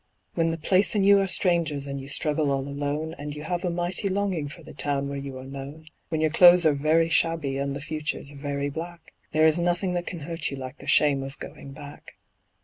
When the place and you are strangers and you struggle all alone, And you have a mighty longing for the town where you are known; When your clothes are very shabby and the future's very black, There is nothing that can hurt you like the shame of going back.